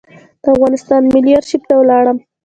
د افغانستان ملي آرشیف ته ولاړم.